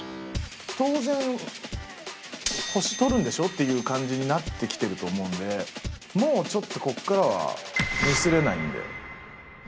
当然星取るんでしょ？っていう感じになってきてると思うんでもうちょっとここからはミスれないんで。